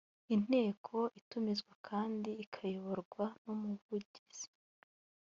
inteko itumizwa kandi ikayoborwa n’umuvugizi